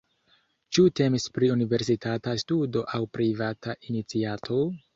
Ĉu temis pri universitata studo aŭ privata iniciato?